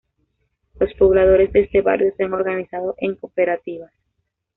Los pobladores de este barrio se han organizado en cooperativas.